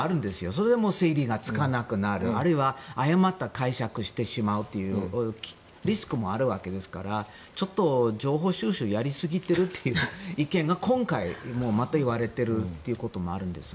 それで、もう整理がつかなくなるあるいは誤った解釈をしてしまうというリスクもあるわけですからちょっと情報収集やりすぎているという意見が今回も、また言われていることもあるんです。